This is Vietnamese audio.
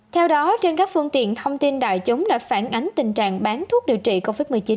theo đó trên các phương tiện thông tin đại chúng đã phản ánh tình trạng bán thuốc điều trị covid một mươi chín